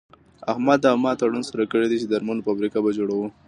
احمد او ما تړون سره کړی دی چې د درملو فابريکه به جوړوو.